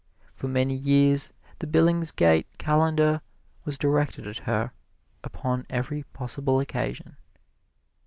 For many years the Billingsgate Calendar was directed at her upon every possible occasion.